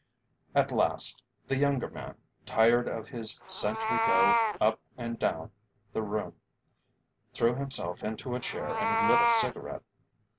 At last, the younger man, tired of his sentry go up and down the room, threw himself into a chair and lit a cigarette.